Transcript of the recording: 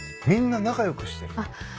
みんな仲良くしてる。